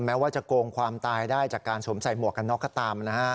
แม้ว่าจะโกงความตายได้จากการสวมใส่หมวกกันน็อกก็ตามนะฮะ